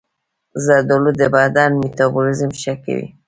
زردآلو د بدن میتابولیزم ښه کوي.